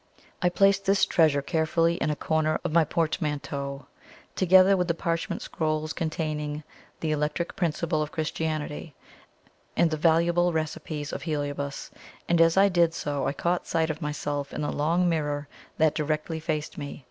I placed this treasure carefully in a corner of my portmanteau, together with the parchment scrolls containing "The Electric Principle of Christianity," and the valuables recipes of Heliobas; and as I did so, I caught sight of myself in the long mirror that directly faced me.